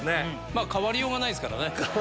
まぁ変わりようがないっすからね。